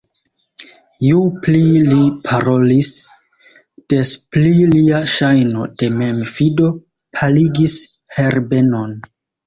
Ju pli li parolis, des pli lia ŝajno de memfido paligis Herbenon.